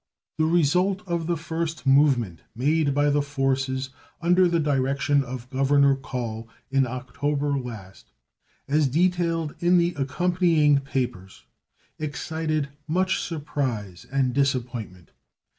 The result of the first movement made by the forces under the direction of Governor Call in October last, as detailed in the accompanying papers, excited much surprise and disappointment.